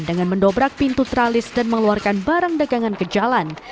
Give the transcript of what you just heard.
dengan mendobrak pintu tralis dan mengeluarkan barang dagangan ke jalan